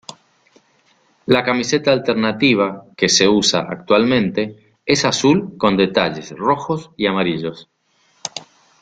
La camiseta alternativa que se usa actualmente es azul con detalles rojos y amarillos.